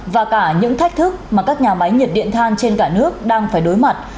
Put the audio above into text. và cả những thách thức mà các nhà máy nhiệt điện than trên cả nước đang phải đối mặt